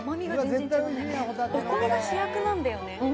お米が主役なんだよね。